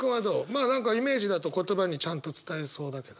まあ何かイメージだと言葉にちゃんと伝えそうだけど。